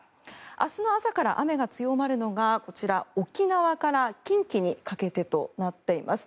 明日の朝から雨が強まるのがこちら、沖縄から近畿にかけてとなっています。